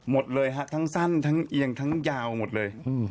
หมดเลยฮะทั้งสั้นทั้งเอียงทั้งยาวหมดเลย